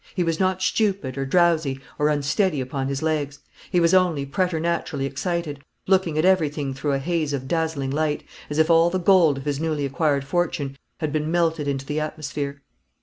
He was not stupid, or drowsy, or unsteady upon his legs; he was only preternaturally excited, looking at everything through a haze of dazzling light, as if all the gold of his newly acquired fortune had been melted into the atmosphere.